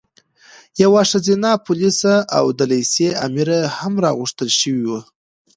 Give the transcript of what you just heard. یوه ښځینه پولیسه او د لېسې امره هم راغوښتل شوې وه.